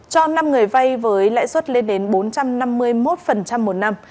cho năm người vay với lãi suất lên đến bốn trăm năm mươi một một năm